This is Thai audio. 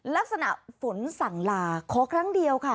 ลักษณะฝนสั่งลาขอครั้งเดียวค่ะ